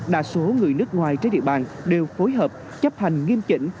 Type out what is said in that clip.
đa số người nước ngoài trên địa bàn đều phối hợp chấp hành nghiêm chỉnh